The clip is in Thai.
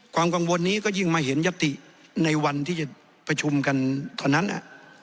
ความกังวลนี้ก็ยิ่งมาเห็นยติในวันที่จะประชุมกันตอนนั้น